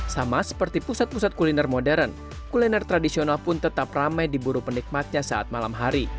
sama seperti pusat pusat kuliner modern kuliner tradisional pun tetap ramai diburu penikmatnya saat malam hari